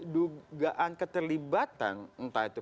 dugaan keterlibatan entah itu